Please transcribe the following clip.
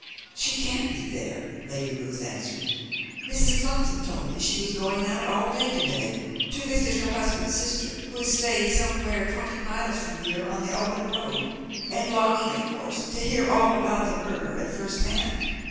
"She can't be there," Lady Ruth answered. "Mrs. Clutsam told me she was going out all day, to day, to visit her husband's sister who is staying somewhere twenty miles from here on the Oban road, and longing, of course, to hear all about the murder at first hand.